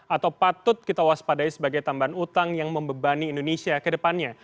atau patut kita waspadai sebagai tambahan utang yang membebani indonesia ke depannya